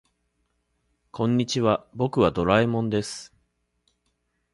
こんにちは、僕はドラえもんです。